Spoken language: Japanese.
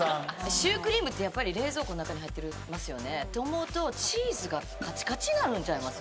シュークリームってやっぱり冷蔵庫の中に入ってますよねと思うとチーズがカチカチになるんちゃいます？